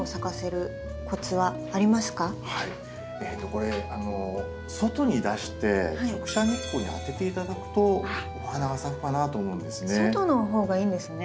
これ外に出して直射日光に当てて頂くとお花が咲くかなと思うんですね。